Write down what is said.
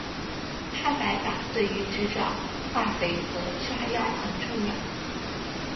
哈柏法对于制造化肥和炸药很重要。